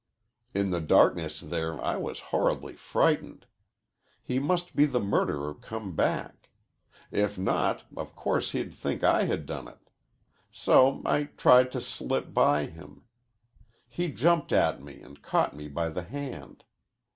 In the darkness there I was horribly frightened. He might be the murderer come back. If not, of course he'd think I had done it. So I tried to slip by him. He jumped at me and caught me by the hand.